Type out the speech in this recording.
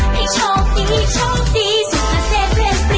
ให้ชมตีชมตีสุขเศษเพลินปรี